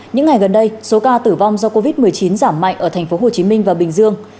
những ngày gần đây số ca tử vong do covid một mươi chín giảm mạnh ở tp hcm và bình dương